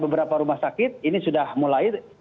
beberapa rumah sakit ini sudah mulai